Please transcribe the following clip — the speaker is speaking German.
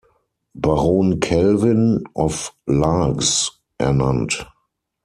Baron Kelvin, of Largs, ernannt.